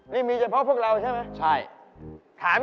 นี่มีเจ้าเจ้าเพราะพวกเราใช่ไหม